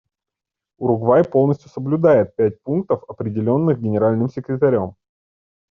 Уругвай полностью соблюдает пять пунктов, определенных Генеральным секретарем.